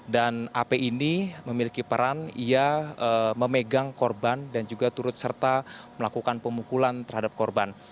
dan ap ini memiliki peran ia memegang korban dan juga turut serta melakukan pemukulan terhadap korban